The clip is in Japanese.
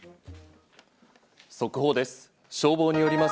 速報です。